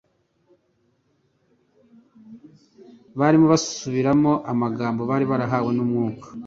barimo basubiramo amagambo bari barahawe n'Umwuka.